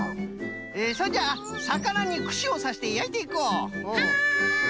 それじゃあさかなにくしをさしてやいていこう！